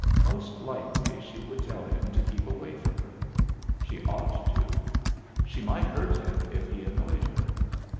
Most likely she would tell him to keep away from her. She ought to. She might hurt him if he annoyed her.